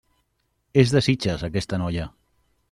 És de Sitges, aquesta noia.